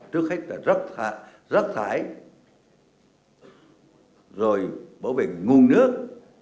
trước hết là rác thải rồi bảo vệ nguồn nước